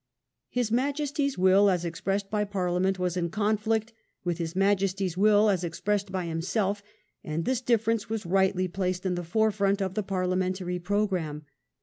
His majesty's will as expressed by Parliament was in conflict with his majesty's will as expressed by himself, and this difference was rightly placed in the forefront of the Parliamentary programme.